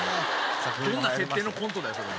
どんな設定のコントだよ？